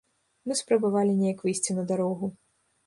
Мы спрабавалі неяк выйсці на дарогу.